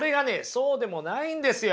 そうでもないんですよ。